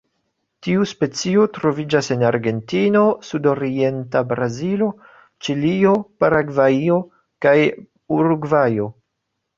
Tiu specio troviĝas en Argentino, sudorienta Brazilo, Ĉilio, Paragvajo kaj Urugvajo.